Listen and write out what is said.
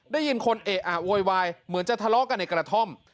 ได้ยินคนเอะอะโวยวายเหมือนจะทะเลาะกันในกระท่อม